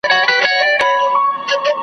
مزل کوم خو په لار نه پوهېږم .